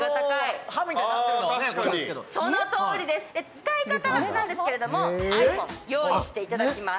使い方なんですけれども、ｉＰｈｏｎｅを用意していただきます。